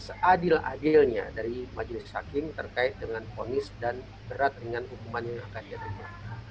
seadil adilnya dari majelis hakim terkait dengan ponis dan berat ringan hukuman yang akan diterima